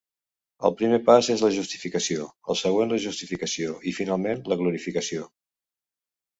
El primer pas és la justificació; el següent, la justificació i, finalment, la glorificació.